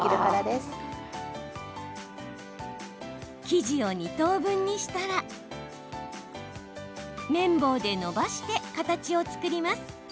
生地を２等分にしたら麺棒でのばして形を作ります。